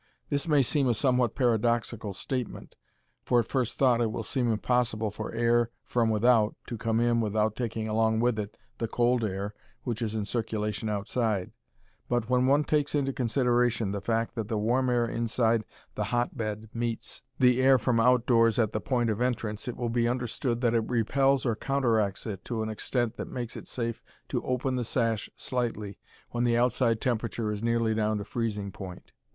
This may seem a somewhat paradoxical statement, for at first thought it will seem impossible for air from without to come in without taking along with it the cold air which is in circulation outside, but when one takes into consideration the fact that the warm air inside the hotbed meets the air from out of doors at the point of entrance it will be understood that it repels or counteracts it to an extent that makes it safe to open the sash slightly when the outside temperature is nearly down to freezing point.